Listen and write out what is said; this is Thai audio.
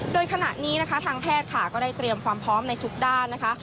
โดยขณะนี้นะคะทางแพทย์ค่ะก็ได้เตรียมความพร้อมในทุกด้านนะคะ